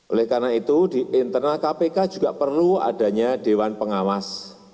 oleh karena itu di internal kpk juga perlu adanya dewan pengawas